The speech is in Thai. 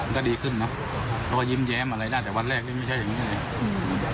ก็ดีขึ้นนะเพราะว่ายิ้มแย้มอะไรนะแต่วันแรกนี่ไม่ใช่อย่างง่ายอืม